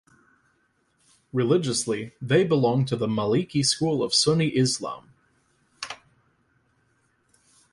Religiously, they belong to the Maliki school of Sunni Islam.